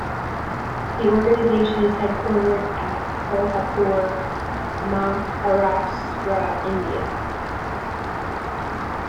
The organisation is headquartered at Kolhapur, Maharashtra, India.